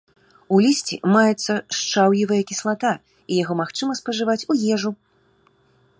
У лісці маецца шчаўевая кіслата, і яго магчыма спажываць у ежу.